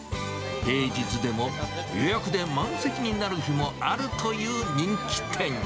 平日でも予約で満席になる日もあるという人気店。